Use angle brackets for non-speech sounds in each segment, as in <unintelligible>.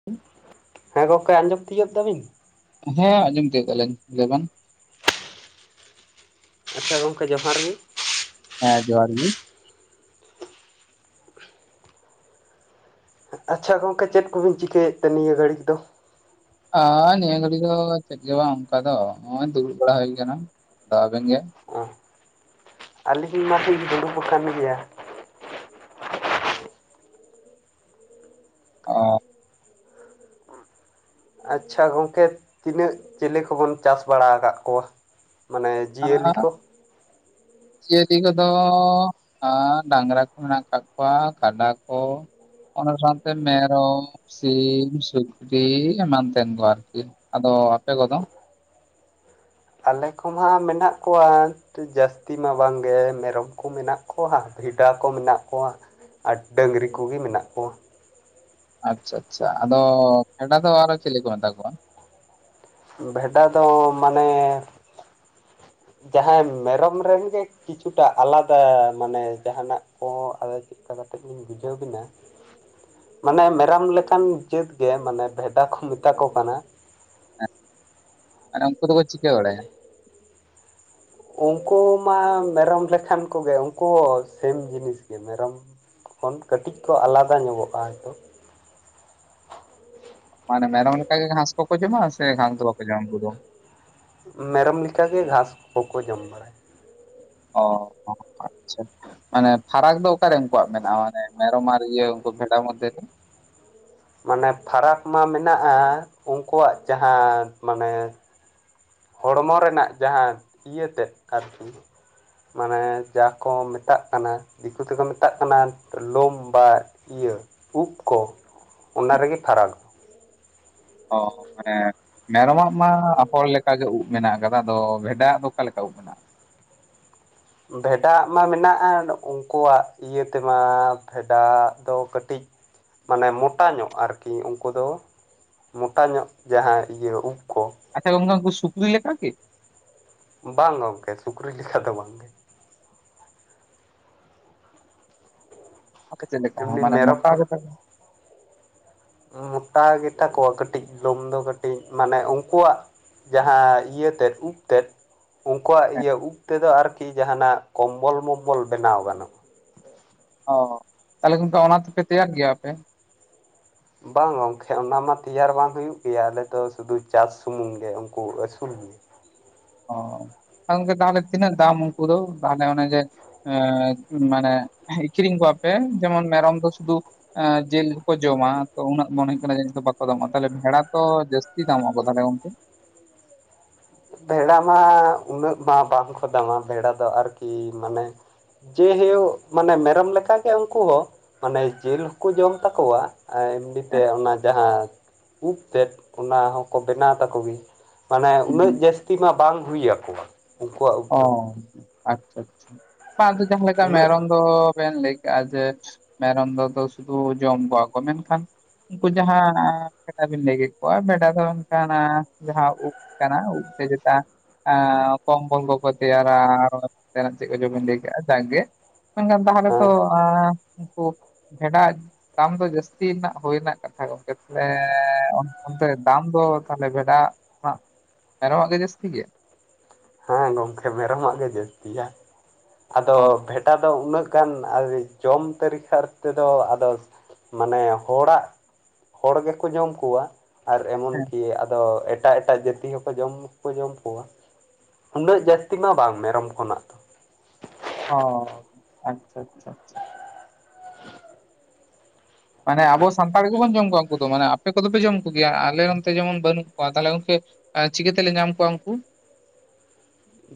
<unintelligible> ᱦᱮᱸ, ᱜᱚᱢᱠᱮ ᱟᱸᱡᱚᱢ ᱛᱤᱭᱳᱜ ᱫᱟᱵᱤᱱ? ᱦᱮᱸ, ᱟᱸᱡᱚᱢ ᱛᱤᱭᱳᱜ ᱫᱟᱞᱤᱧ, ᱞᱟᱹᱭ ᱵᱮᱱ? ᱟᱪᱪᱷᱟ, ᱜᱚᱢᱠᱮ ᱡᱚᱦᱟᱨ ᱜᱮ ᱦᱮᱸ, ᱡᱚᱦᱟᱨ ᱜᱤ ᱟᱪᱪᱷᱟ, ᱜᱚᱢᱠᱮ ᱪᱮᱫ ᱠᱩᱵᱤᱱ ᱪᱤᱠᱟᱹᱭᱮᱫ ᱛᱮ ᱱᱤᱭᱟᱹ ᱜᱷᱟᱹᱲᱤᱡ ᱫᱚ? ᱱᱤᱭᱟᱹ ᱜᱷᱟᱹᱲᱤ ᱫᱚ ᱪᱮᱫ ᱜᱮ ᱵᱟᱝ ᱚᱝᱠᱟ ᱫᱚ ᱱᱚᱜ-ᱚᱭ ᱫᱩᱲᱩᱵ ᱵᱟᱲᱟ ᱦᱩᱭ ᱟᱠᱟᱱᱟ, ᱟᱫᱚ ᱟᱵᱮᱱ ᱜᱮ? ᱚ ᱟᱹᱞᱤᱧ ᱢᱟ ᱞᱤᱧ ᱫᱩᱲᱩᱵ ᱟᱠᱟᱱ ᱜᱮᱭᱟ ᱾ <unintelligible> ᱟᱪᱪᱷᱟ ᱜᱚᱢᱠᱮ ᱛᱤᱱᱟᱹᱜ ᱪᱤᱞᱤ ᱠᱚ ᱵᱚᱱ ᱪᱟᱥ ᱵᱟᱲᱟ ᱟᱠᱟᱫ ᱠᱚᱣᱟ?? ᱢᱟᱱᱮ ᱡᱤᱭᱟᱹᱞᱤ ᱟᱨ ᱠᱚ, ᱡᱤᱭᱟᱹᱞᱤ ᱠᱚ ᱫᱚ, ᱦᱟᱹ, ᱰᱟᱝᱨᱟ ᱠᱚ ᱢᱮᱱᱟᱜ ᱟᱠᱟᱫ ᱠᱚᱣᱟ ᱠᱟᱰᱟ ᱠᱚ ᱚᱱᱟ ᱥᱟᱶᱛᱮ ᱢᱮᱨᱚᱢ ᱾ ᱥᱤᱢ ᱥᱩᱠᱨᱤ ᱮᱢᱟᱱ ᱛᱮᱱ ᱠᱚ ᱟᱨᱠᱤ, ᱟᱫᱚ ᱟᱯᱮ ᱠᱚ ᱫᱚ? ᱟᱞᱮ ᱠᱚ ᱢᱟ ᱢᱮᱱᱟᱜ ᱠᱚᱣᱟ ᱾ ᱡᱟᱹᱥᱛᱤ ᱢᱟ ᱵᱟᱝ ᱜᱮ ᱢᱮᱨᱚᱢ ᱠᱚ ᱢᱮᱱᱟᱜ ᱠᱚᱣᱟ, ᱵᱷᱮᱰᱟ ᱠᱚ ᱢᱮᱱᱟᱜ ᱠᱚᱣᱟ, ᱟᱨ ᱰᱟᱹᱝᱨᱤ ᱠᱚ ᱜᱮ ᱢᱮᱱᱟᱜ ᱠᱚᱣᱟ, ᱟᱪᱪᱷᱟ ᱟᱪᱪᱷᱟ, ᱟᱫᱚ ᱠᱷᱮᱰᱟ ᱫᱚ ᱟᱨ ᱦᱚᱸ ᱪᱮᱞᱮ ᱠᱚ ᱢᱮᱛᱟ ᱠᱚᱣᱟ? ᱵᱷᱮᱰᱟ ᱫᱚ ᱢᱟᱱᱮ ᱡᱟᱦᱟᱸᱭ ᱢᱮᱨᱚᱢ ᱨᱮᱱ ᱜᱮ ᱠᱤᱪᱷᱩᱴᱟ ᱟᱞᱟᱫᱟ ᱢᱟᱱᱮ ᱡᱟᱦᱟᱱᱟᱜ ᱠᱚ, ᱟᱫᱚ ᱪᱮᱫᱠᱟ ᱠᱟᱛᱮ ᱞᱤᱧ ᱵᱩᱡᱷᱟᱹᱣ ᱵᱤᱱᱟ? ᱢᱟᱱᱮ ᱢᱮᱨᱚᱢ ᱞᱮᱠᱟᱱ ᱡᱟᱹᱛ ᱜᱮ ᱢᱟᱱᱮ ᱵᱷᱮᱰᱟ ᱠᱚ ᱢᱮᱛᱟ ᱠᱚ ᱠᱟᱱᱟ᱾ ᱦᱮᱸ, ᱟᱨ ᱩᱱᱠᱩ ᱫᱚ ᱠᱚ ᱪᱤᱠᱟᱹ ᱵᱟᱲᱟᱭᱟ? ᱳᱝᱠᱳ ᱢᱟ ᱢᱮᱨᱚᱢ ᱞᱮᱠᱷᱟᱱ ᱠᱚ ᱜᱮ ᱳᱝᱠᱳ ᱦᱚᱸ ᱥᱮᱢ ᱡᱤᱱᱤᱥ ᱜᱮ ᱢᱮᱨᱚᱢ ᱠᱷᱚᱱ ᱠᱟᱹᱴᱤᱡ ᱠᱚ ᱟᱞᱟᱫᱟ ᱧᱚᱜᱚᱜᱼᱟ ᱦᱚᱭ ᱛᱚ ᱾ ᱢᱟᱱᱮ ᱢᱮᱨᱚᱢ ᱞᱮᱠᱟ ᱜᱮ ᱜᱷᱟᱥ ᱠᱚ ᱠᱚ ᱡᱚᱢᱟ ᱥᱮ ᱜᱷᱟᱥ ᱫᱚ ᱵᱟᱠᱚ ᱡᱚᱢ ᱩᱝᱠᱩ ᱫᱚ? ᱢᱮᱨᱚᱢ ᱞᱮᱠᱟ ᱜᱮ ᱜᱷᱟᱸᱥ ᱠᱚ ᱠᱚ ᱡᱚᱢ ᱵᱟᱲᱟᱭᱟ ᱾ ᱚᱻ ᱚ, ᱟᱪᱪᱷᱟ, ᱢᱟᱱᱮ ᱯᱷᱟᱨᱟᱠ ᱫᱚ ᱚᱠᱟ ᱨᱮ ᱩᱝᱠᱩᱣᱟᱜ ᱢᱮᱱᱟᱜᱼᱟ ᱢᱟᱱᱮ ᱢᱮᱨᱚᱢ ᱟᱨ ᱤᱭᱟᱹ ᱩᱝᱠᱩ ᱵᱷᱮᱰᱟ ᱢᱚᱫᱽᱫᱷᱮ ᱨᱮ‌? ᱢᱟᱱᱮ ᱯᱷᱟᱨᱟᱠ ᱢᱟ ᱢᱮᱱᱟᱜᱼᱟ ᱩᱝᱠᱩᱣᱟᱜ ᱡᱟᱦᱟᱸ ᱢᱟᱱᱮ ᱦᱚᱲᱢᱚ ᱨᱮᱱᱟᱜ ᱡᱟᱦᱟᱸ ᱤᱭᱟᱹᱛᱮᱫ ᱟᱨᱠᱤ ᱢᱟᱱᱮ ᱡᱟ ᱠᱚ ᱢᱮᱛᱟᱜ ᱠᱟᱱᱟ ᱫᱤᱠᱩ ᱛᱮ ᱠᱚ ᱢᱮᱛᱟᱜ ᱠᱟᱱᱟ ᱞᱳᱢ ᱵᱟ ᱤᱭᱟᱹ ᱩᱵ ᱠᱚ᱾ ᱚᱱᱟ ᱨᱮᱜᱮ ᱯᱷᱟᱨᱟᱠ᱾ ᱚ ᱢᱟᱱᱮ ᱢᱮᱨᱚᱢᱟᱜ ᱢᱟ ᱦᱚᱲ ᱞᱮᱠᱟᱜᱮ ᱩᱵ ᱢᱮᱱᱟᱜ ᱠᱟᱫᱟ, ᱟᱫᱚ ᱵᱷᱮᱰᱟᱣᱜ ᱫᱚ ᱚᱠᱟᱞᱮᱠᱟ ᱩᱵ ᱢᱮᱱᱟᱜᱼᱟ? ᱵᱷᱮᱰᱟᱣᱟᱜ ᱢᱟ ᱢᱮᱱᱟᱜ ᱩᱱᱠᱩᱣᱟᱜ ᱤᱭᱟᱹ ᱛᱮᱢᱟ ᱯᱷᱮᱰᱟᱣᱟᱜ ᱫᱚ ᱠᱟᱹᱴᱤᱡ ᱢᱟᱱᱮ ᱢᱚᱴᱟ ᱧᱚᱜ ᱟᱨᱠᱤ ᱳᱝᱠᱳ ᱫᱚ᱾ ᱢᱚᱴᱟ ᱧᱚᱜ ᱡᱟᱦᱟᱸ ᱤᱭᱟᱹ ᱩᱵ ᱠᱚ᱾ ᱟᱪᱪᱷᱟ ᱜᱚᱝᱠᱮ ᱩᱝᱠᱩ ᱥᱩᱠᱨᱤ ᱞᱮᱠᱟ ᱠᱤ? ᱵᱟᱝ ᱜᱚᱝᱠᱮ ᱥᱩᱠᱨᱤ ᱞᱮᱠᱟ ᱫᱚ ᱵᱟᱝᱜᱮ᱾ ᱟᱯᱮ ᱪᱮᱫ ᱞᱮᱠᱟ ᱮᱢᱱᱤ ᱢᱟᱱᱮ ᱢᱮᱨᱚᱢ ᱢᱚᱴᱟ ᱠᱚ ᱜᱮᱛᱟ ᱠᱚᱣᱟ? ᱢᱚᱴᱟ ᱜᱮᱛᱟ ᱠᱚᱣᱟ ᱠᱟᱹᱴᱤᱡ ᱞᱳᱢ ᱫᱚ ᱠᱟᱹᱴᱤᱡ ᱢᱟᱱᱮ ᱩᱝᱠᱩᱣᱟᱜ ᱡᱟᱦᱟᱸ ᱤᱭᱟᱹ ᱛᱮᱫ ᱩᱵ ᱛᱮᱫ᱾ ᱳᱝᱠᱳᱣᱟᱜ ᱦᱮᱸ ᱤᱭᱟᱹ ᱩᱵ ᱛᱮᱫᱚ ᱟᱨᱠᱤ ᱡᱟᱸᱦᱟᱱᱟᱜ ᱠᱚᱢᱵᱚᱞ-ᱢᱚᱢᱵᱚᱞ ᱵᱮᱱᱟᱣ ᱜᱟᱱᱚᱜᱼᱟ᱾ ᱚ ᱦᱚ ᱛᱟᱦᱚᱞᱮ ᱜᱚᱝᱠᱮ ᱚᱱᱟ ᱛᱮᱯᱮ ᱛᱮᱭᱟᱨ ᱜᱮᱭᱟ ᱟᱯᱮ? ᱵᱟᱝ ᱜᱚᱝᱠᱮ ᱚᱱᱟᱢᱟ ᱛᱮᱭᱟᱨ ᱵᱟᱝ ᱦᱩᱭᱩᱜ ᱜᱮᱭᱟ, ᱟᱞᱮ ᱫᱚ ᱥᱩᱫᱷᱩ ᱪᱟᱥ ᱥᱩᱢᱩᱝ ᱜᱮ ᱩᱝᱠᱩ ᱟᱹᱥᱩᱞ ᱜᱮ᱾ ᱚ ᱟᱨ ᱜᱚᱝᱠᱮ ᱛᱟᱦᱚᱞᱮ ᱛᱤᱱᱟᱹᱜ ᱫᱟᱢ ᱩᱝᱠᱩ ᱫᱚ ᱛᱟᱦᱚᱞᱮ ᱚᱱᱮ ᱡᱮ ᱮ ᱢᱟᱱᱮ ᱮᱠᱷᱨᱤᱧ ᱠᱚᱣᱟᱯᱮ ᱡᱮᱢᱚᱱ ᱢᱮᱨᱚᱢ ᱫᱚ ᱥᱩᱫᱩ ᱮᱸ ᱡᱮᱞ ᱜᱮᱠᱚ ᱡᱚᱢᱟ ᱛᱚ ᱩᱱᱟᱹᱜ ᱢᱚᱱᱮ ᱦᱩᱭᱩᱜ ᱠᱟᱱᱟ ᱡᱟᱹᱱᱤᱡ ᱫᱚ ᱵᱟᱠᱚ ᱫᱟᱢᱚᱜᱼᱟ᱾ ᱛᱟᱦᱚᱞᱮ ᱵᱷᱮᱲᱟ ᱛᱚ ᱡᱟᱹᱥᱛᱤ ᱫᱟᱢᱚᱜᱼᱟᱠᱚ ᱛᱟᱦᱞᱮ ᱜᱚᱝᱠᱮ? ᱵᱷᱮᱲᱟ ᱢᱟ ᱩᱱᱟᱹᱜ ᱢᱟ ᱵᱟᱝᱠᱚ ᱫᱟᱢᱟ᱾ ᱵᱷᱮᱲᱟ ᱫᱚ ᱟᱨᱠᱤ ᱢᱟᱱᱮ ᱡᱮᱦᱮᱭᱳᱠ ᱢᱟᱱᱮ ᱢᱮᱨᱚᱢ ᱞᱮᱠᱟ ᱜᱮ ᱳᱝᱠᱳ ᱦᱚᱸ, ᱢᱟᱱᱮ ᱡᱮᱞ ᱦᱚᱠᱚ ᱡᱚᱢ ᱛᱟᱠᱚᱣᱟ᱾ ᱟ ᱮᱢᱱᱤᱛᱮ ᱦᱮᱸ ᱚᱱᱟ ᱡᱟᱦᱟᱸ ᱩᱵ ᱛᱮᱫ, ᱚᱱᱟ ᱦᱚᱸᱠᱚ ᱵᱮᱱᱟᱣ ᱛᱟᱠᱚ ᱜᱮᱭᱟ᱾ ᱢᱟᱱᱮ ᱦᱩᱸ ᱦᱩᱸ ᱩᱱᱟᱹᱜ ᱡᱟᱹᱥᱛᱤ ᱢᱟ ᱵᱟᱝ ᱦᱩᱭ ᱟᱠᱚᱣᱟ᱾ ᱩᱱᱠᱩᱣᱟᱜ ᱩᱵ ᱚ ᱫᱚ ᱟᱪᱪᱷᱟ ᱟᱪᱪᱷᱟ᱾ ᱵᱟᱝ ᱟᱫᱚ ᱡᱟᱦᱟᱸ ᱞᱮᱠᱟ ᱩᱱᱟᱹᱜ ᱢᱮᱨᱚᱢ ᱫᱚ ᱵᱮᱱ ᱞᱟᱹᱭ ᱠᱮᱜᱼᱟ ᱡᱮ ᱢᱮᱨᱚᱢ ᱫᱚ ᱟᱫᱚ ᱥᱩᱫᱩ ᱡᱚᱢ ᱠᱚᱣᱟ ᱠᱚ ᱢᱮᱱᱠᱷᱟᱱ ᱩᱝᱠᱩ ᱡᱟᱦᱟᱸ ᱟ ᱵᱷᱮᱰᱟ ᱵᱤᱱ ᱞᱟᱹᱭ ᱠᱮᱜ ᱠᱚᱣᱟ᱾ ᱵᱷᱮᱰᱟ ᱫᱚ ᱚᱱᱠᱟᱱᱟ ᱡᱟᱦᱟᱸ ᱩᱵ ᱠᱟᱱᱟ ᱩᱵ ᱛᱮ ᱡᱮᱛᱟ ᱟᱸ ᱠᱚᱢᱵᱚᱞ ᱠᱚ ᱠᱚ ᱛᱮᱭᱟᱨᱟ ᱟᱨᱚ ᱚᱱᱛᱮᱱᱟᱜ ᱪᱮᱫ ᱠᱚ ᱪᱚᱵᱤᱱ ᱞᱟᱹᱭ ᱠᱮᱜᱼᱟ ᱡᱟᱸᱠᱽᱜᱮ᱾ ᱢᱮᱱᱠᱷᱟᱱ ᱛᱟᱦᱚᱞᱮ ᱛᱚ ᱦᱮᱸ ᱟᱸ ᱳᱝᱠᱳ ᱵᱷᱮᱰᱟᱣᱟᱜ ᱫᱟᱢ ᱫᱚ ᱡᱟᱹᱥᱛᱤ ᱱᱟᱜ ᱦᱩᱭ ᱨᱮᱱᱟᱜ ᱠᱟᱛᱷᱟ ᱜᱚᱝᱠᱮ ᱛᱟᱦᱚᱞᱮ ᱚᱱᱛᱮ ᱫᱟᱢ ᱫᱚ ᱛᱟᱦᱚᱞᱮ ᱵᱷᱮᱰᱟᱣᱟᱜ ᱦᱟᱸᱜ ᱢᱮᱨᱚᱢᱟᱜ ᱜᱮ ᱡᱟᱹᱥᱛᱤ ᱜᱮᱭᱟ? ᱦᱮᱸ ᱜᱚᱢᱠᱮ ᱢᱮᱨᱚᱢᱟᱜ ᱜᱮ ᱡᱟᱹᱥᱛᱤᱭᱟ, ᱟᱫᱚ ᱚ ᱵᱷᱮᱰᱟ ᱫᱚ ᱩᱱᱟᱹᱜ ᱠᱟᱱ ᱟᱹᱨᱤ ᱡᱚᱢ ᱛᱟᱹᱨᱤᱠᱷᱟᱨ ᱛᱮᱫᱚ ᱟᱫᱚ ᱢᱟᱱᱮ ᱦᱚᱲᱟᱜ ᱦᱚᱲ ᱜᱮᱠᱚ ᱡᱚᱢ ᱠᱚᱣᱟ᱾ ᱟᱨ ᱮᱢᱚᱱ ᱦᱮᱸ ᱠᱤ ᱟᱫᱚ ᱮᱴᱟᱜ ᱮᱴᱟᱜ ᱡᱟᱹᱛᱤ ᱦᱚᱠᱚ ᱡᱚᱢ ᱠᱚ ᱡᱚᱢ ᱠᱚᱣᱟ᱾ ᱩᱱᱟᱹᱜ ᱡᱟᱹᱥᱛᱤ ᱢᱟ ᱵᱟᱝ ᱢᱮᱨᱚᱢ ᱠᱷᱚᱱᱟᱜ ᱫᱚ᱾ ᱚ ᱟᱪᱪᱷᱟ ᱟᱪᱪᱷᱟ ᱟᱪᱪᱷᱟ᱾ ᱢᱟᱱᱮ ᱟᱵᱚ ᱥᱟᱱᱛᱟᱲ ᱜᱮᱵᱚᱱ ᱡᱚᱢ ᱠᱚᱣᱟ ᱩᱱᱠᱩ ᱫᱚ᱾ ᱢᱟᱱᱮ ᱟᱯᱮ ᱠᱚᱫᱚᱯᱮ ᱡᱚᱢ ᱠᱚᱜᱮᱭᱟ, ᱟᱞᱮ ᱱᱚᱱᱛᱮ ᱡᱮᱢᱚᱱ ᱵᱟᱹᱱᱩᱜ ᱠᱚᱣᱟ ᱛᱟᱦᱚᱞᱮ ᱜᱚᱝᱠᱮ ᱟᱨ ᱪᱤᱠᱟᱹᱛᱮᱞᱮ ᱧᱟᱢ ᱠᱚᱣᱟ ᱩᱱᱠᱩ?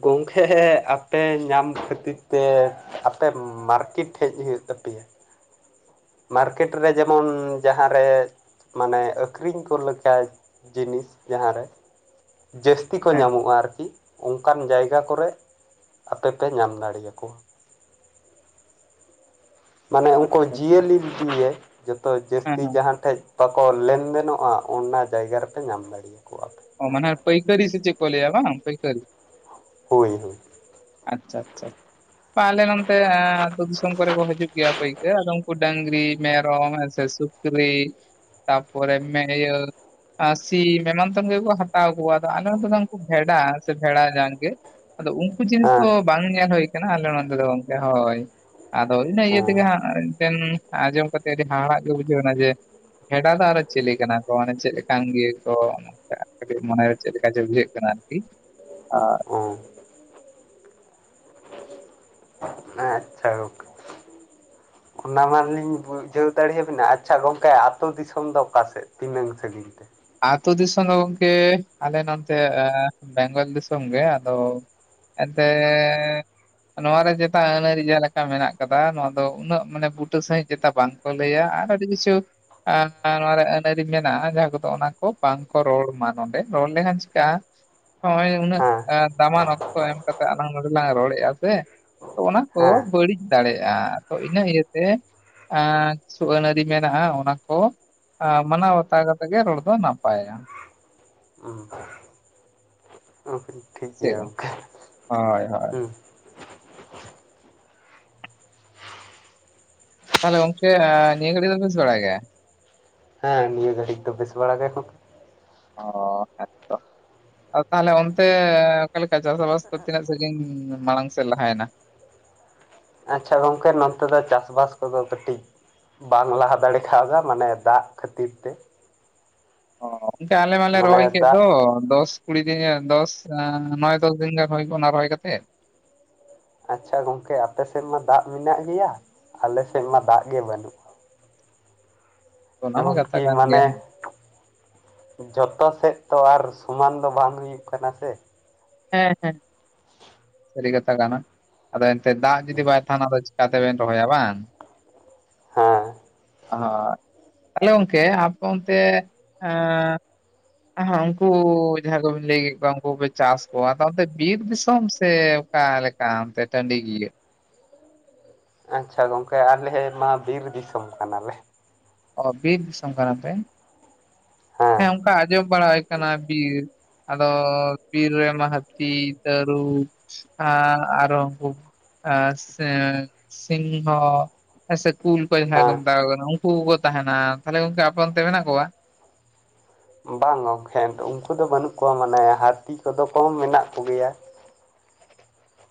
ᱜᱚᱢᱠᱮ ᱟᱯᱮ ᱧᱟᱢ ᱠᱷᱟᱹᱛᱤᱨ ᱛᱮ ᱟᱯᱮ ᱢᱟᱨᱠᱮᱴ ᱴᱷᱮᱡ ᱦᱩᱭᱩᱜ ᱛᱟᱯᱮᱭᱟ᱾ ᱢᱟᱨᱠᱹᱮᱴ ᱨᱮ ᱡᱮᱢᱚᱱ ᱡᱟᱦᱟᱸᱨᱮ ᱢᱟᱱᱮ ᱟᱹᱠᱷᱨᱤᱧ ᱠᱚ ᱞᱮᱠᱟᱭ ᱡᱤᱱᱤᱥ ᱡᱟᱦᱟᱸᱨᱮ ᱡᱟᱹᱥᱛᱤ ᱠᱚ ᱦᱮᱸ ᱧᱟᱢᱚᱜᱼᱟ ᱟᱨᱠᱤ᱾ ᱚᱱᱠᱟᱱ ᱡᱟᱭᱜᱟ ᱠᱚᱨᱮᱫ ᱟᱯᱮᱯᱮ ᱧᱟᱢ ᱫᱟᱲᱮᱣᱟ ᱠᱚᱣᱟ᱾ ᱢᱟᱱᱮ ᱩᱱᱠᱩ ᱟᱪᱪᱷᱟ ᱟᱪᱪᱷᱟ ᱡᱤᱭᱟᱹᱞᱤ ᱫᱤᱭᱮ ᱡᱚᱛᱚ ᱦᱮᱸ ᱡᱟᱹᱥᱛᱤ ᱦᱮᱸ ᱡᱟᱦᱟᱸ ᱴᱷᱮᱡ ᱵᱟᱠᱚ ᱞᱮᱱᱫᱮᱱᱚᱜᱼᱟ ᱚᱱᱟ ᱡᱟᱭᱜᱟ ᱨᱮᱯᱮ ᱧᱟᱢ ᱫᱟᱲᱮᱭᱟᱠᱚᱣᱟ ᱯᱮ᱾ ᱚ ᱢᱟᱱᱮ ᱯᱟᱹᱭᱠᱟᱹᱨᱤ ᱥᱮ ᱪᱮ ᱠᱚ ᱞᱟᱭᱟ ᱵᱟᱝ ᱯᱟᱹᱭᱠᱟᱹᱨᱤ᱾ ᱦᱳᱭ ᱦᱳᱭ᱾ ᱟᱪᱪᱷᱟ ᱟᱪᱪᱷᱟ᱾ ᱯᱟ ᱟᱞᱮ ᱱᱚᱱᱛᱮ ᱮ ᱟᱛᱩ ᱫᱤᱥᱚᱢ ᱠᱚᱨᱮ ᱠᱚ ᱦᱤᱡᱩᱜ ᱜᱮᱭᱟ ᱯᱟᱹᱠᱟᱹᱨ ᱟᱫᱚ ᱩᱱᱠᱩ ᱰᱟᱝᱨᱤ, ᱢᱮᱨᱚᱢ ᱦᱮᱥᱮ ᱥᱩ ᱠᱨᱤ ᱛᱟᱯᱚᱨᱮ ᱢᱮᱤᱭᱟᱹ ᱟ ᱥᱤᱢ ᱮᱢᱟᱱ ᱥᱚᱝᱜᱮ ᱠᱚ ᱦᱟᱛᱟᱣ ᱠᱚᱣᱟ ᱟᱫᱚ ᱟᱞᱮ ᱱᱚᱛᱮ ᱫᱚ ᱩᱱᱠᱩ ᱵᱷᱮᱰᱟ ᱥᱮ ᱵᱷᱮᱲᱟ ᱡᱟᱝᱜ ᱜᱮ᱾ ᱟᱫᱚ ᱩᱱᱠᱩ ᱡᱤᱱᱤᱥ ᱠᱚ ᱦᱮᱸ ᱵᱟᱝ ᱧᱮᱞ ᱦᱩᱭ ᱠᱟᱱᱟ ᱟᱞᱮ ᱱᱚᱱᱛᱮ ᱫᱚ ᱜᱚᱝᱠᱮ ᱦᱳᱭ᱾ ᱟᱫᱚ ᱤᱱᱟᱹ ᱤᱭᱟᱹ ᱛᱮᱜᱮ ᱦᱟᱸᱜ ᱢᱤᱫᱴᱮᱱ ᱟᱸᱡᱚᱢ ᱠᱟᱛᱮᱜ ᱟᱹᱰᱤ ᱦᱟᱦᱟᱲᱟᱜ ᱜᱮ ᱵᱩᱡᱷᱟᱹᱣᱱᱟ ᱡᱮ ᱵᱷᱮᱰᱟ ᱫᱚ ᱟᱨᱚ ᱪᱤᱞᱤ ᱠᱟᱱᱟ ᱠᱚ ᱢᱟᱱᱮ ᱪᱮᱫ ᱞᱮᱠᱟᱱ ᱜᱮ ᱠᱚ ᱟᱜ ᱠᱟᱹᱴᱤᱡ ᱢᱚᱱᱮᱨᱮ ᱪᱮᱫ ᱞᱮᱠᱟ ᱪᱚ ᱵᱩᱡᱷᱟᱹᱜ ᱠᱟᱱᱟ ᱟᱨᱠᱤ ᱟᱨ ᱦᱮᱸ ᱦᱮᱸ ᱟᱪᱪᱷᱟ ᱜᱚᱝᱠᱮ ᱚᱱᱟ ᱢᱟᱞᱤᱧ ᱵᱩᱡᱷᱟᱹᱣ ᱫᱟᱲᱮᱭᱟᱵᱤᱱᱟ ᱟᱪᱪᱷᱟ ᱜᱚᱝᱠᱮ ᱟᱹᱛᱩ ᱫᱤᱥᱚᱢ ᱫᱚ ᱚᱠᱟ ᱥᱮᱫ ᱛᱤᱱᱟᱹᱝ ᱥᱮᱫ? ᱜᱤᱞ ᱛᱮ ᱟᱹᱛᱳ ᱫᱤᱥᱚᱢ ᱫᱚ ᱜᱚᱝᱠᱮ ᱟᱞᱮ ᱱᱚᱱᱛᱮ ᱮ ᱵᱮᱝᱜᱚᱞ ᱫᱤᱥᱚᱢ ᱜᱮ ᱟᱫᱚ ᱮᱱᱛᱮᱻ ᱱᱚᱣᱟ ᱨᱮ ᱪᱮᱛᱟ ᱟᱹᱱ ᱟᱹᱨᱤ ᱡᱟᱦᱟ ᱞᱮᱠᱟ ᱢᱮᱱᱟᱜ ᱟᱠᱟᱫᱟ ᱱᱚᱣᱟ ᱫᱚ ᱩᱱᱟᱹᱜ ᱢᱟᱱᱮ ᱵᱩᱴᱟᱹ ᱥᱟᱹᱦᱤᱡ ᱪᱮᱛᱟ ᱵᱟᱝ᱾ ᱠᱚ ᱞᱟᱹᱭᱟ ᱟᱨ ᱟᱹᱰᱤ ᱠᱤᱪᱷᱩ ᱟ ᱟᱸ ᱱᱚᱣᱟ ᱨᱮ ᱟᱹᱱ ᱟᱹᱨᱤ ᱢᱮᱱᱟᱜᱼᱟ ᱡᱟᱦᱟᱸ ᱠᱚ ᱟᱫᱚ ᱚᱱᱟ ᱠᱚ ᱵᱟᱝᱠᱚ ᱨᱚᱲ ᱢᱟ ᱱᱚᱰᱮ ᱨᱚᱲ ᱞᱮᱠᱷᱟᱱ ᱪᱤᱠᱟᱹᱜᱼᱟ ᱱᱚᱼᱚᱭ ᱩᱱᱟᱹᱜ ᱦᱮᱸ ᱟ ᱫᱟᱢᱟᱱ ᱚᱠᱛᱚ ᱮᱢ ᱠᱟᱛᱮᱜ ᱟᱞᱟᱝ ᱱᱚᱰᱮᱞᱟᱝ ᱨᱚᱲᱮᱼᱟ ᱥᱮ ᱛᱚ ᱚᱱᱟ ᱠᱚ ᱦᱮᱸ ᱵᱟᱹᱲᱤᱡ ᱫᱟᱲᱮᱼᱟ ᱛᱚ ᱤᱱᱟᱹ ᱤᱭᱟᱹᱛᱮ ᱟᱸᱪ ᱠᱤᱪᱷᱩ ᱟᱹᱱ ᱟᱹᱨᱤ ᱢᱮᱱᱟᱜᱼᱟ ᱚᱱᱟ ᱠᱚ ᱟᱸ ᱢᱟᱱᱟᱣ ᱵᱟᱛᱟᱣ ᱠᱟ ᱛᱮᱜᱮ ᱨᱚᱲ ᱫᱚ ᱱᱟᱯᱟᱭᱟ᱾ ᱩᱸᱜ ᱚᱠᱤᱱ ᱴᱷᱤᱠ᱾ ᱪᱮᱜ ᱜᱚᱜ, ᱜᱚᱝᱠᱮ ᱦᱳᱭ ᱦᱳᱭ᱾ ᱦᱩᱸ ᱛᱟᱦᱞᱮ ᱜᱚᱝᱠᱮ ᱟᱻ ᱱᱤᱭᱟᱹ ᱜᱷᱟᱹᱲᱤ ᱫᱚ ᱵᱮᱥ ᱵᱟᱲᱟ ᱜᱮᱭᱟ? ᱦᱮᱸ ᱱᱤᱭᱟᱹ ᱜᱟᱹᱲᱤᱡ ᱫᱚ ᱵᱮᱥ ᱵᱟᱲᱟ ᱜᱮ ᱦᱚᱸᱠ᱾ ᱚᱻ ᱮᱫ ᱛᱚ ᱟᱫᱚ ᱛᱟᱦᱚᱞᱮ ᱚᱱᱛᱮ ᱚᱠᱟᱞᱮᱠᱟ ᱪᱟᱥ ᱟᱵᱟᱥ ᱠᱚ ᱛᱤᱱᱟᱹᱜ ᱥᱟᱜᱤᱧ ᱢᱟᱲᱟᱝ ᱥᱮᱫ ᱞᱟᱦᱟᱭᱮᱱᱟ? ᱟᱪᱪᱷᱟ ᱜᱚᱝᱠᱮ ᱱᱚᱛᱮ ᱫᱚ ᱪᱟᱥᱵᱟᱥ ᱠᱚᱫᱚ ᱠᱟᱹᱴᱤᱡ ᱵᱟᱝ ᱞᱟᱦᱟ ᱫᱟᱲᱮ ᱠᱷᱟᱣᱫᱟ ᱢᱟᱱᱮ ᱫᱟᱜ ᱠᱷᱟᱹᱛᱤᱨ ᱛᱮ᱾ ᱚ ᱜᱚᱝᱠᱮ ᱟᱞᱮ ᱢᱟᱞᱮ ᱢᱟᱱᱮ ᱨᱚᱦᱚᱭ ᱠᱮᱫ ᱫᱟᱜ ᱫᱚ ᱫᱚᱥ ᱠᱩᱲᱤ ᱫᱤᱱ ᱜᱟᱱ ᱫᱚᱥ ᱟᱸᱻ ᱱᱚᱭ ᱫᱚᱥ ᱫᱤᱱ ᱜᱟᱱ ᱦᱩᱭ ᱜᱚᱱᱟ ᱨᱚᱦᱚᱭ ᱠᱟᱛᱮᱜ᱾ ᱟᱪᱪᱷᱟ ᱜᱚᱝᱠᱮ ᱟᱯᱮᱥᱮᱫ ᱢᱟ ᱫᱟᱜ ᱢᱮᱱᱟᱜ ᱜᱮᱭᱟ, ᱟᱞᱮᱥᱮᱫ ᱢᱟ ᱫᱟᱜ ᱜᱮ ᱵᱟᱹᱱᱩᱜ᱾ ᱚᱱᱟ ᱢᱟ ᱠᱟᱛᱷᱟ ᱮᱢᱚᱱᱠᱤ ᱠᱟᱱ ᱢᱟᱱᱮ ᱜᱮᱭᱟ ᱡᱷᱚᱛᱚ ᱥᱮᱫ ᱛᱚ ᱟᱨ ᱥᱚᱢᱟᱱ ᱫᱚ ᱵᱟᱝ ᱦᱩᱭᱩᱜ ᱠᱟᱱᱟ ᱥᱮ᱾ ᱦᱮᱸ ᱦᱮᱸ᱾ ᱥᱟᱹᱨᱤ ᱠᱟᱛᱷᱟ ᱠᱟᱱᱟ ᱟᱫᱚ ᱮᱱᱛᱮᱫ ᱫᱟᱜ ᱡᱩᱫᱤ ᱵᱟᱭ ᱛᱟᱦᱮᱱᱟ ᱟᱫᱚ ᱪᱤᱠᱟᱛᱮᱵᱮᱱ ᱨᱚᱦᱚᱭᱟ ᱵᱟᱝ᱾ <inaudible> ᱦᱮᱸ ᱦᱚᱜ ᱛᱟᱦᱚᱞᱮ ᱜᱚᱝᱠᱮ ᱟᱯᱮ ᱚᱱᱛᱮ ᱟᱸᱻ ᱦᱚᱸ ᱩᱱᱠᱩ ᱡᱟᱦᱟᱸ ᱠᱚ ᱵᱤᱱ ᱞᱟᱹᱭ ᱠᱮᱫ ᱠᱚᱣᱟ ᱩᱱᱠᱩ ᱯᱮ ᱪᱟᱥ ᱚ ᱟᱫᱚ ᱚᱱᱛᱮ ᱵᱤᱨ ᱫᱤᱥᱚᱢ ᱥᱮ ᱚᱠᱟ ᱞᱮᱠᱟ ᱚᱱᱛᱮ ᱴᱟᱺᱰᱤ ᱜᱮᱭᱟ? ᱟᱪᱪᱷᱟ ᱜᱚᱝᱠᱮ ᱟᱞᱮ ᱢᱟ ᱵᱤᱨ ᱫᱤᱥᱚᱢ ᱠᱟᱱᱟᱞᱮ᱾ ᱚ ᱵᱤᱨ ᱫᱤᱥᱚᱢ ᱠᱟᱱᱟ ᱯᱮ ᱦᱮᱸ ᱚᱱᱠᱟ ᱟᱡᱚᱢ ᱵᱟᱲᱟ ᱦᱩᱭ ᱠᱟᱱᱟ ᱵᱤᱨ ᱟᱫᱚ ᱵᱤᱨ ᱨᱮᱢᱟ ᱦᱟᱹᱛᱤ, ᱛᱟᱹᱨᱩᱪ ᱟᱨ ᱟᱨᱚ ᱩᱱᱠᱩ ᱟᱨ ᱥᱮᱸ ᱥᱤᱝᱦᱚ ᱥᱮ ᱠᱩᱞ ᱠᱚ ᱡᱟᱦᱟᱸᱭ ᱠᱚ ᱦᱮᱸ ᱢᱮᱛᱟ ᱠᱚ ᱠᱟᱱᱟ ᱩᱱᱠᱩ ᱠᱚᱼᱼ ᱛᱟᱦᱮᱱᱟ ᱛᱟᱦᱞᱮ ᱜᱚᱢᱠᱮ ᱟᱯᱮ ᱚᱱᱛᱮ ᱢᱮᱱᱟᱜ ᱠᱚᱣᱟ? ᱵᱟᱝ ᱜᱚᱢᱠᱷᱮ ᱱᱤᱛᱳᱜ ᱩᱱᱠᱩ ᱫᱚ ᱵᱟᱹᱱᱩᱜ ᱠᱚᱣᱟ ᱢᱟᱱᱮ ᱦᱟᱹᱛᱤ ᱠᱚᱫᱚ ᱠᱚ ᱢᱮᱱᱟᱜ ᱠᱚᱜᱮᱭᱟ᱾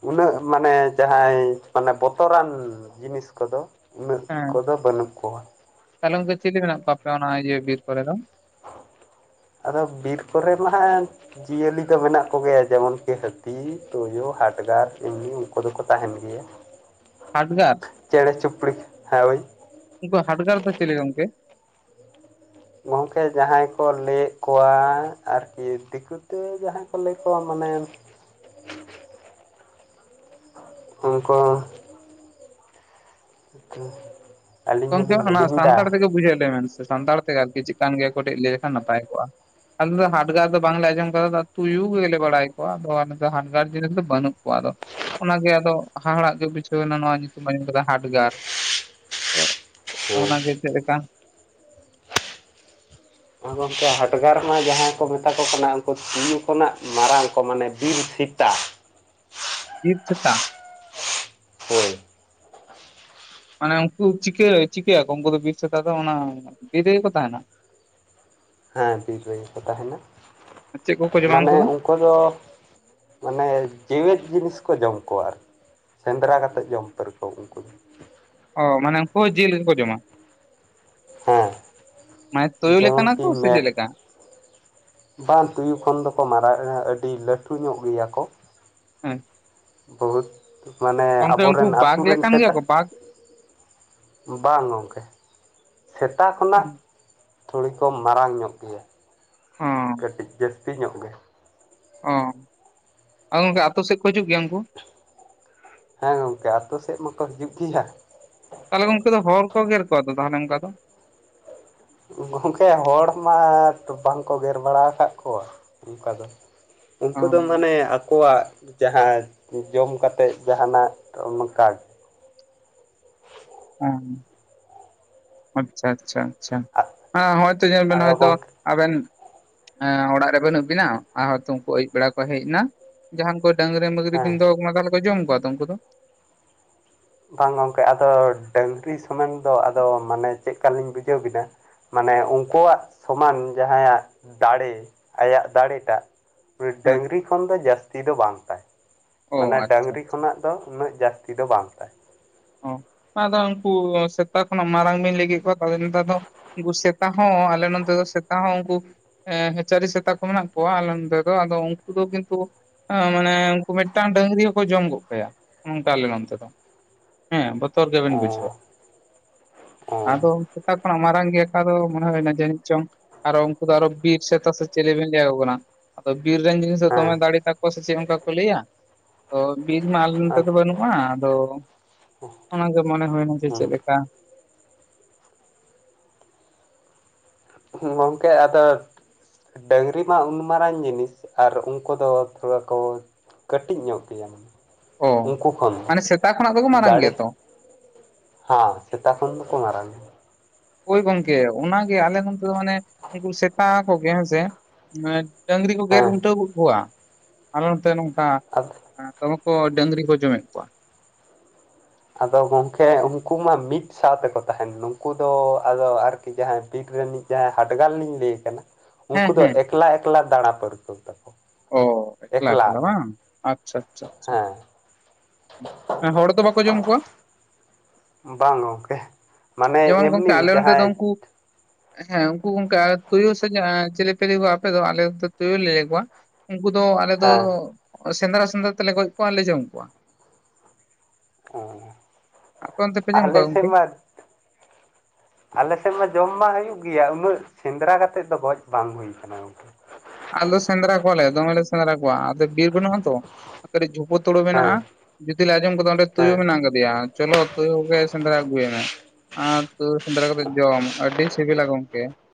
ᱩᱱᱟᱹᱜ ᱢᱟᱱᱮ ᱡᱟᱦᱟᱸᱭ ᱢᱟᱱᱮ ᱵᱚᱛᱚᱨᱟᱱ ᱡᱤᱱᱤᱥ ᱠᱚᱫᱚᱼᱼ ᱩᱱᱟᱹᱜ ᱦᱮᱸ ᱠᱚᱫᱚ ᱵᱟᱹᱱᱩᱜ ᱠᱚᱣᱟ᱾ ᱛᱟᱦᱚᱞᱮ ᱜᱚᱝᱠᱮ ᱪᱤᱞᱤ ᱢᱮᱱᱟᱜ ᱠᱚᱣᱟ ᱮᱯᱮ ᱚᱱᱟ ᱤᱭᱟᱹ ᱵᱤᱨ ᱠᱚᱨᱮ ᱫᱚ? ᱟᱫᱚ ᱵᱤᱨ ᱠᱚᱨᱮ ᱢᱟᱦᱟᱜ ᱮᱢᱼᱼ ᱡᱤᱭᱟᱹᱞᱤ ᱫᱚ ᱢᱮᱱᱟᱜ ᱠᱚᱜᱮᱭᱟ ᱡᱮᱢᱚᱱᱠᱤ ᱦᱟᱹᱛᱤ ᱛᱩᱭᱩ ᱦᱟᱰᱜᱟᱨ ᱮᱢᱱᱤ ᱩᱱᱠᱩ ᱫᱚᱠᱚ ᱛᱟᱦᱮᱱ ᱜᱮᱭᱟ᱾ ᱦᱟᱰᱜᱟᱨ? ᱪᱮᱬᱮ ᱪᱩᱯᱲᱤ ᱦᱮᱸ ᱦᱳᱭᱼᱼ ᱩᱱᱠᱩ ᱦᱟᱰᱜᱟᱨ ᱫᱚ ᱪᱮᱞᱮ ᱜᱚᱝᱠᱮ? ᱜᱚᱢᱠᱮ ᱡᱟᱦᱟᱸᱭ ᱠᱚ ᱞᱟᱹᱭᱮᱫ ᱠᱚᱣᱟ ᱟᱨᱠᱤ ᱫᱤᱠᱩ ᱛᱮ ᱡᱟᱦᱟᱸᱭ ᱠᱚ ᱞᱟᱹᱭ ᱠᱚᱣᱟ ᱢᱟᱱᱮᱼᱼ ᱩᱝᱠᱩᱼᱼ <inaudible> ᱜᱚᱢᱠᱮ ᱦᱚᱞᱤᱧ ᱚᱱᱟ ᱦᱤᱲᱤᱧ ᱮᱫᱟ ᱥᱟᱱᱛᱟᱲ ᱛᱮᱜᱮ ᱵᱩᱡᱷᱟᱹᱣ ᱟᱞᱮᱢᱮ ᱥᱟᱱᱛᱟᱲ ᱛᱮᱜᱮ ᱟᱨᱠᱤ ᱪᱮᱫᱠᱟᱱ ᱜᱮᱭᱟ ᱠᱟᱹᱴᱤᱡ ᱞᱟᱹᱭ ᱞᱮᱠᱷᱟᱱ ᱱᱟᱯᱟᱭ ᱠᱚᱜᱼᱟ? ᱟᱞᱮ ᱫᱚ ᱦᱟᱰᱜᱟᱨ ᱫᱚ ᱵᱟᱝᱞᱮ ᱟᱸᱡᱚᱢ ᱠᱟᱫᱟ ᱛᱚ, ᱛᱩᱭᱩ ᱜᱮᱞᱮ ᱵᱟᱲᱟᱭ ᱠᱚᱣᱟ ᱟᱫᱚ ᱚᱱᱠᱟ ᱦᱟᱰᱜᱟᱨ ᱡᱤᱱᱤᱥ ᱫᱚ ᱵᱟᱹᱱᱩᱜ ᱠᱚᱣᱟ ᱟᱫᱚᱼᱼ ᱚᱱᱟᱜᱮ ᱟᱫᱚ ᱦᱟᱦᱟᱲᱟᱜ ᱜᱮ ᱵᱩᱡᱷᱟᱹᱣ ᱱᱟ ᱱᱚᱣᱟ ᱧᱩᱛᱩᱢ ᱟᱸᱡᱚᱢ ᱠᱮᱫᱟ ᱦᱟᱰᱜᱟᱨ᱾ ᱛᱚ ᱟᱫᱚ ᱚᱱᱟ ᱜᱮ ᱦᱮᱸ ᱪᱮᱫ ᱞᱮᱠᱟᱱᱼᱼ ᱟᱨ ᱜᱚᱝᱠᱮ ᱦᱟᱰᱜᱟᱨ ᱢᱟ ᱡᱟᱦᱟᱸᱭ ᱠᱚ ᱢᱮᱛᱟ ᱠᱚ ᱠᱟᱱᱟ ᱩᱱᱠᱩ ᱛᱩᱭᱩ ᱠᱷᱚᱱᱟᱜ ᱢᱟᱨᱟᱝ ᱠᱚ ᱢᱟᱱᱮ ᱵᱤᱨ ᱥᱤᱛᱟ᱾ ᱵᱤᱨ ᱥᱤᱛᱟ? ᱦᱳᱭ ᱢᱟᱱᱮ ᱩᱱᱠᱩ ᱪᱤᱠᱟᱹ ᱪᱤᱠᱟᱹᱭᱟᱠᱚ ᱩᱱᱠᱩ ᱫᱚ ᱵᱤᱨ ᱥᱮᱛᱟ ᱫᱚ ᱚᱱᱟ ᱵᱤᱨ ᱨᱮᱜᱮ ᱠᱚ ᱛᱟᱦᱮᱱᱟ? ᱦᱮᱸ ᱵᱤᱨ ᱨᱮᱜᱮ ᱠᱚ ᱛᱟᱦᱮᱱᱟ ᱪᱮᱫ ᱠᱚᱠᱚ ᱡᱚᱢᱟ ᱢᱟᱱᱮ ᱩᱱᱠᱩ ᱫᱚ ᱼᱼ ᱢᱟᱱᱮ ᱡᱮᱣᱮᱫ ᱡᱤᱱᱤᱥ ᱠᱚ ᱡᱚᱢ ᱠᱚᱣᱟ ᱟᱨᱠᱤ᱾ ᱥᱮᱸᱫᱽᱨᱟ ᱠᱟᱛᱮᱫ ᱡᱚᱢ ᱯᱟᱹᱨᱠᱟᱹᱣ ᱩᱱᱠᱩ ᱫᱚ᱾ ᱚ ᱢᱟᱱᱮ ᱩᱱᱠᱩ ᱦᱚ ᱡᱤᱞ ᱜᱮᱠᱚ ᱡᱚᱢᱟ? ᱦᱮᱸ ᱢᱟᱱᱮ ᱛᱩᱭᱩ ᱞᱮᱠᱟ ᱡᱮᱢᱚᱱ ᱱᱟᱠᱩ ᱠᱤ ᱥᱮ ᱪᱮᱫ ᱢᱮᱨ ᱞᱮᱠᱟ? ᱵᱟᱝ ᱛᱩᱭᱩ ᱠᱷᱚᱱ ᱫᱚᱠᱚ ᱢᱟᱨᱟᱜ ᱟᱹᱰᱤ ᱞᱟᱹᱴᱷᱩ ᱧᱚᱜ ᱜᱮᱭᱟ ᱠᱚ᱾ ᱦᱩᱸ᱾ ᱵᱚᱦᱩᱛ ᱢᱟᱱᱮ ᱟᱵᱚᱨᱮᱱ ᱵᱟᱜᱽ ᱟᱛᱩ ᱨᱮᱱ ᱞᱮᱠᱟᱱ ᱜᱮᱭᱟ ᱥᱮᱛᱟ ᱠᱚ ᱵᱟᱜᱽ ᱾ ᱵᱟᱝ ᱜᱚᱝᱠᱮ ᱥᱮᱛᱟ ᱚ ᱠᱷᱚᱱᱟᱜᱼᱼ ᱛᱷᱩᱲᱤ ᱠᱚ ᱢᱟᱨᱟᱝ ᱧᱚᱜ ᱜᱮᱭᱟ ᱠᱟᱹᱴᱤᱡ ᱡᱟᱹᱥᱛᱤ ᱧᱚᱜ ᱜᱮ᱾ ᱚ ᱟᱫᱚ ᱜᱚᱝᱠᱮ ᱟᱛᱳ ᱥᱮᱫ ᱠᱚ ᱦᱤᱡᱩᱜ ᱜᱮᱭᱟ ᱩᱱᱠᱩ? ᱦᱮᱸ ᱜᱚᱝᱠᱮ ᱟᱛᱳ ᱥᱮᱫ ᱢᱟᱠᱚ ᱦᱤᱡᱩᱜ ᱜᱮᱭᱟ᱾ ᱛᱟᱦᱚᱞᱮ ᱜᱚᱝᱠᱮ ᱫᱚ ᱦᱚᱲ ᱦᱚᱠᱚ ᱜᱮᱨ ᱠᱚᱣᱟ ᱫᱚ ᱛᱟᱦᱚᱞᱮ ᱚᱱᱠᱟ ᱫᱚ? ᱜᱚᱝᱠᱮ ᱦᱚᱲ ᱢᱟ ᱛᱚ ᱵᱟᱝᱠᱚ ᱜᱮᱨ ᱵᱟᱲᱟᱣ ᱠᱟᱫ ᱠᱚᱣᱟ ᱚᱝᱠᱟ ᱫᱚ᱾ ᱚ ᱩᱱᱠᱩ ᱫᱚ ᱢᱟᱱᱮ ᱟᱠᱚᱣᱟᱜᱼᱼ ᱡᱟᱦᱟᱸ ᱡᱚᱢ ᱠᱟᱛᱮᱫ ᱡᱟᱦᱟᱱᱟᱜ ᱚᱱᱠᱟ ᱟᱪᱪᱷᱟ ᱟᱪᱪᱷᱟ ᱟᱪᱪᱷᱟ ᱦᱮᱸ ᱦᱚᱭᱛᱚ ᱧᱮᱞ ᱵᱮᱱ ᱟᱫᱚ ᱦᱚᱭᱛᱚ ᱜᱚᱢᱠᱮ ᱟᱵᱮᱱᱼᱼ ᱦᱮᱸ ᱚᱲᱟᱜ ᱨᱮ ᱵᱟᱱᱩᱜ ᱵᱤᱱᱟ ᱟᱨ ᱦᱚᱭᱛᱚ ᱩᱱᱠᱩ ᱟᱹᱭᱩᱵ ᱵᱮᱲᱟ ᱠᱚ ᱦᱮᱡ ᱱᱟ ᱡᱟᱦᱟᱱ ᱠᱚᱼᱼ ᱰᱟᱝᱨᱤ ᱢᱟᱹᱜᱽᱨᱤ ᱦᱮᱸ ᱵᱤᱱ ᱫᱚᱦᱚ ᱠᱚ ᱢᱟ ᱛᱟᱦᱚᱞᱮ ᱠᱚ ᱡᱚᱢ ᱠᱚᱣᱟ ᱛᱚ ᱩᱱᱠᱩ ᱫᱚ? ᱵᱟᱝ ᱜᱚᱝᱠᱮ ᱟᱫᱚ ᱰᱟᱝᱨᱤ ᱥᱚᱢᱮᱱ ᱫᱚ ᱟᱫᱚ ᱢᱟᱱᱮ ᱪᱮᱫ ᱠᱟᱞᱤᱧ ᱵᱩᱡᱷᱟᱹᱣ ᱵᱤᱱᱟ᱾ ᱢᱟᱱᱮ ᱩᱱᱠᱩᱣᱟᱜ ᱥᱚᱢᱟᱱ ᱡᱟᱦᱟᱸᱭᱟᱜ ᱫᱟᱲᱮ ᱟᱭᱟᱜ ᱫᱟᱲᱮ ᱴᱟᱜᱼᱼ ᱩᱱᱤ ᱦᱮᱸ ᱰᱟᱹᱝᱨᱤ ᱠᱷᱚᱱ ᱫᱚ ᱡᱟᱹᱥᱛᱤ ᱫᱚ ᱵᱟᱝ ᱛᱟᱭ ᱚ ᱢᱟᱱᱮ ᱟᱪᱪᱷᱟ ᱰᱟᱹᱝᱨᱤ ᱠᱷᱚᱱᱟᱜᱼᱼ ᱫᱚ ᱩᱱᱟᱹᱜ ᱡᱟᱹᱥᱛᱤ ᱫᱚ ᱵᱟᱝ ᱛᱟᱭ᱾ ᱚ ᱵᱟᱝ ᱟᱫᱚ ᱩᱱᱠᱩ ᱥᱮᱛᱟ ᱠᱷᱚᱱᱟᱜ ᱢᱟᱨᱟᱝ ᱵᱤᱱ ᱞᱟᱹᱭ ᱠᱮᱫ ᱠᱚᱣᱟ ᱛᱟᱞᱦᱮ ᱱᱮᱛᱟᱨ ᱫᱚ ᱩᱱᱠᱩ ᱥᱮᱛᱟ ᱦᱚᱸ ᱟᱞᱮ ᱱᱚᱱᱛᱮ ᱫᱚ ᱥᱮᱛᱟ ᱦᱚᱸ ᱩᱱᱠᱩ ᱮᱸ ᱪᱟᱹᱨᱤ ᱥᱮᱛᱟ ᱢᱮᱱᱟᱜ ᱠᱚᱣᱟ ᱟᱞᱮ ᱱᱚᱰᱮ ᱫᱚ᱾ ᱟᱫᱚ ᱩᱱᱠᱩ ᱠᱤᱱᱛᱩ ᱟ ᱢᱟᱱᱮ ᱩᱱᱠᱩ ᱢᱤᱫᱴᱟᱝ ᱰᱟᱹᱝᱨᱤ ᱦᱚᱸᱠᱚ ᱡᱚᱢ ᱜᱚᱜ ᱠᱟᱭᱟ ᱚᱝᱠᱟ ᱞᱮᱱᱚᱱᱛᱮ ᱫᱚ᱾ ᱦᱮᱸ ᱵᱚᱛᱚᱨ ᱜᱮᱵᱮᱱ ᱚ ᱵᱩᱡᱷᱟᱹᱣᱟ᱾ ᱚ ᱟᱫᱚ ᱥᱮᱛᱟ ᱠᱷᱚᱱᱟᱜ ᱢᱟᱨᱟᱝ ᱜᱮ ᱟᱠᱟ ᱫᱚ ᱢᱚᱱᱮ ᱦᱳᱭ ᱱᱟ ᱡᱟᱹᱱᱤᱡ ᱪᱚᱝ ᱟᱨᱚ ᱩᱱᱠᱩ ᱫᱚ ᱟᱨᱚ ᱵᱤᱨ ᱥᱮᱛᱟ ᱥᱮ ᱪᱮᱞᱤ ᱵᱤᱱ ᱞᱟᱹᱭᱟ ᱠᱚ ᱠᱟᱱᱟ᱾ ᱟᱫᱚ ᱵᱤᱨ ᱨᱮᱱ ᱡᱤᱱᱤᱥ ᱫᱚ ᱫᱚᱢᱮ ᱦᱮᱸ ᱫᱟᱲᱮ ᱛᱟᱠᱚᱣᱟ ᱥᱮ ᱪᱮᱫ ᱚᱱᱠᱟ ᱠᱚ ᱞᱟᱹᱭᱟ᱾ ᱛᱷᱚ ᱵᱤᱨ ᱢᱟ ᱟᱞᱮ ᱱᱚᱛᱮ ᱫᱚ ᱟᱫᱚ ᱵᱟᱹᱱᱩᱜᱼᱟ ᱟᱫᱚ ᱚᱱᱟᱜᱮ ᱢᱚᱱᱮ ᱦᱩᱭᱱᱟ ᱡᱮ ᱦᱩᱸ ᱪᱮᱫ ᱞᱮᱠᱟ᱾ ᱜᱚᱝᱠᱮ ᱟᱫᱚ ᱰᱝᱨᱤ ᱢᱟ ᱩᱱ ᱢᱟᱨᱟᱝ ᱡᱤᱱᱤᱥ ᱟᱨ ᱩᱱᱠᱩ ᱫᱚ ᱛᱷᱚᱲᱟ ᱠᱚ ᱠᱟᱹᱴᱤᱡ ᱧᱚᱜ ᱜᱮᱭᱟᱢ᱾ ᱚ ᱩᱱᱠᱩ ᱠᱷᱚᱱ ᱢᱟᱱᱮ ᱥᱮᱛᱟ ᱠᱷᱚᱱᱟᱜ ᱫᱚᱠᱚ ᱢᱟᱨᱟᱝ ᱫᱟᱲᱮ ᱜᱮᱭᱟ ᱛᱚ ᱦᱟᱸ ᱥᱮᱛᱟ ᱠᱷᱚᱱ ᱫᱚᱠᱚ ᱢᱟᱨᱟᱝᱟ᱾ ᱦᱳᱭ ᱜᱚᱝᱠᱮ ᱚᱱᱟᱜᱮ ᱟᱞᱮ ᱱᱚᱱᱛᱮ ᱫᱚ ᱢᱟᱱᱮ ᱩᱱᱠᱩ ᱥᱮᱛᱟ ᱠᱚᱜᱮ ᱦᱮᱸᱥᱮ᱾ ᱢᱮᱫ ᱰᱟᱹᱝᱨᱤ ᱠᱚ ᱜᱮᱨ ᱦᱮᱸ ᱩᱞᱴᱟᱹᱣᱚ ᱜᱚᱫ ᱠᱚᱣᱟ ᱟᱞᱮ ᱱᱚᱛᱮ ᱱᱚᱝᱠᱟ᱾ ᱟᱫᱚ ᱦᱮᱸ ᱫᱚᱢᱮ ᱠᱚ ᱰᱟᱹᱝᱨᱤ ᱠᱚ ᱡᱚᱢᱮᱫ ᱠᱚᱣᱟ᱾ ᱟᱫᱚ ᱜᱚᱢᱠᱮ ᱩᱱᱠᱩ ᱢᱟ ᱢᱤᱫ ᱥᱟᱶᱛᱮᱠᱚ ᱛᱟᱦᱮᱱ ᱱᱩᱠᱩ ᱫᱚ ᱟᱫᱚ ᱟᱨᱠᱤ ᱡᱟᱦᱟᱸᱭ ᱵᱤᱨ ᱨᱮᱱᱤᱡ ᱡᱟᱦᱟᱸᱭ ᱦᱟᱰᱜᱟᱞ ᱞᱤᱧ ᱞᱟᱹᱭᱮ ᱠᱟᱱᱟ ᱩᱱᱠᱩ ᱦᱮᱸ ᱫᱚ ᱦᱮᱸ ᱮᱠᱞᱟ ᱮᱠᱞᱟ ᱫᱟᱬᱟ ᱯᱟᱹᱨᱠᱟᱹᱣ ᱛᱟᱠᱚ᱾ ᱚ ᱮᱠᱞᱟ ᱮᱠᱞᱟ ᱵᱟᱝ ᱟᱪᱪᱷᱟ ᱟᱪᱪᱷᱟ ᱟᱪᱪᱷᱟ᱾ ᱦᱮᱸ ᱦᱮᱸ ᱦᱚᱲ ᱫᱚ ᱵᱟᱠᱚ ᱡᱚᱢ ᱠᱚᱣᱟ? ᱵᱟᱝ ᱜᱚᱝᱠᱮ ᱢᱟᱱᱮ ᱡᱮᱢᱚᱱ ᱜᱚᱝᱠᱮ ᱮᱢᱱᱤ ᱟᱞᱮ ᱱᱚᱛᱮ ᱫᱚ ᱡᱟᱦᱟᱸᱭ ᱩᱱᱠᱩ ᱦᱮᱸ ᱩᱱᱠᱩ ᱜᱚᱝᱠᱮ ᱟᱨ ᱛᱩᱭᱩ ᱥᱮ ᱪᱮ ᱮᱸ ᱪᱤᱞᱤᱯᱮ ᱞᱟᱹᱭ ᱠᱚᱭᱟ ᱟᱯᱮ ᱫᱚ? ᱟᱞᱮ ᱱᱚᱛᱮ ᱛᱩᱭᱩ ᱞᱮ ᱞᱟᱹᱭ ᱠᱚᱣᱟ᱾ ᱩᱱᱠᱩ ᱫᱚ ᱟᱞᱮ ᱫᱚ ᱦᱮᱸ ᱥᱮᱸᱫᱽᱨᱟ ᱥᱮᱸᱫᱽᱨᱟ ᱛᱮᱞᱮ ᱜᱚᱡ ᱠᱚᱣᱟ ᱟᱨ ᱞᱮ ᱡᱚᱢ ᱠᱚᱣᱟ᱾ ᱟᱯᱮ ᱚᱱᱛᱮ ᱯᱮ ᱡᱚᱢ ᱟᱞᱮ ᱠᱚᱣᱟ ᱥᱮᱫ ᱜᱚᱝᱠᱮ ᱢᱟ ᱟᱞᱮᱥᱮᱫ ᱢᱟ ᱡᱚᱢ ᱢᱟ ᱦᱤᱭᱭᱩᱜ ᱜᱮᱭᱟ ᱩᱱᱟᱹᱜ ᱥᱮᱸᱫᱽᱨᱟ ᱠᱟᱛᱮᱜ ᱫᱚ ᱜᱚᱡ ᱵᱟᱝ ᱦᱩᱭ ᱟᱠᱟᱱᱟ ᱜᱟᱝᱠᱮ᱾ ᱟᱞᱮ ᱫᱚ ᱥᱮᱸᱫᱽᱨᱟ ᱠᱚᱣᱟᱞᱮ ᱫᱚᱢᱮ ᱞᱮ ᱥᱮᱸᱫᱽᱨᱟ ᱠᱚᱣᱟ ᱟᱫᱚ ᱵᱤᱨ ᱵᱟᱹᱱᱩᱜ ᱟᱛᱚ᱾ ᱠᱟᱹᱴᱤᱡ ᱡᱷᱩᱯᱩ ᱛᱩᱲᱩ ᱢᱮᱱᱟᱜᱼᱟ᱾ ᱦᱮᱸ ᱡᱩᱫᱤ ᱞᱮ ᱟᱸᱡᱚᱢ ᱠᱟᱫᱟ ᱚᱸᱰᱮ ᱛᱩᱭᱩ ᱦᱮᱸ ᱢᱮᱱᱟᱜ ᱠᱟᱫᱮᱭᱟ ᱪᱚᱞᱚ ᱛᱩᱭᱩ ᱜᱮ ᱥᱮᱸᱫᱽᱨᱟ ᱟᱹᱜᱩᱭᱮᱢᱮ᱾ ᱟᱨ ᱛᱩᱨ ᱥᱮᱸᱫᱽᱨᱟ ᱠᱟᱛᱮᱫ ᱡᱚᱢ ᱟᱹᱰᱤ ᱥᱤᱵᱤ ᱥᱤᱵᱤᱞᱟ ᱜᱚᱢᱠᱮ᱾